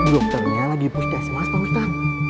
dokternya lagi push test mas pak ustad